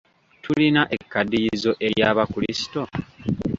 Tulina ekkaddiyizo ery'Abakrisito?